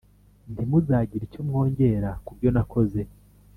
ntimuzagire icyo mwongera ku byo nakoze